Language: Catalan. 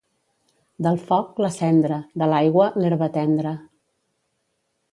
Del foc, la cendra; de l'aigua, l'herba tendra.